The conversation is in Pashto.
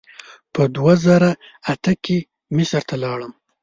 په دوه زره اته کې مصر ته لاړم.